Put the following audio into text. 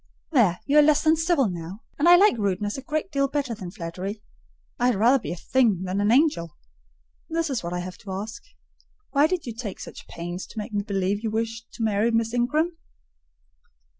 "There, you are less than civil now; and I like rudeness a great deal better than flattery. I had rather be a thing than an angel. This is what I have to ask,—Why did you take such pains to make me believe you wished to marry Miss Ingram?"